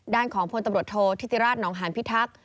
ด้านของพลตำรวจโทษธิติราชนองหานพิทักษ์